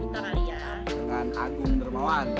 dengan agung bermawan